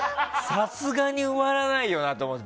さすがに埋まらないよなって思って。